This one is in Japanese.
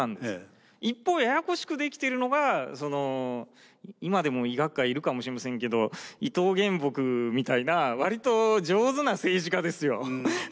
一方ややこしくできているのが今でも医学界いるかもしれませんけど伊東玄朴みたいな割と上手な政治家ですよ。